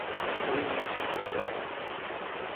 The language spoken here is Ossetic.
Уый ницы хъыгдары.